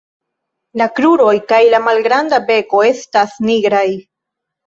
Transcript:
La kruroj kaj la malgranda beko estas nigraj.